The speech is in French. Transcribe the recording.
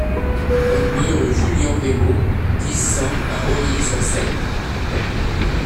vingt-deux rue Julian Grimau, dix, cent à Romilly-sur-Seine